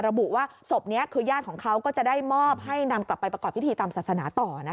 ระบุว่าศพนี้คือญาติของเขาก็จะได้มอบให้นำกลับไปประกอบพิธีตามศาสนาต่อ